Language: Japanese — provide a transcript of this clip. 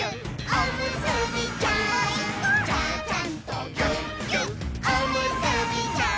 「ちゃちゃんとぎゅっぎゅっおむすびちゃん」